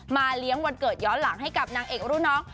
เลี้ยงวันเกิดย้อนหลังให้กับนางเอกรุ่นน้อง